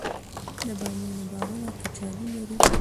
د بامیان باغونه کچالو لري.